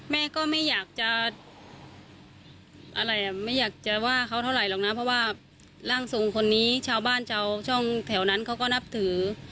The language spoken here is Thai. แม่ก็ไม่อยากจะว่าเขาเท่าไหร่หรอกนะเพราะว่าร่างทรงคนนี้ชาวบ้านเจ้าช่องแถวนั้นเขาก็นับถือ